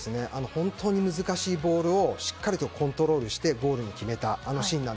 本当に難しいボールをしっかりとコントロールしてゴールを決めた。